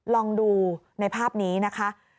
ลองดูในภาพนี้นะคะ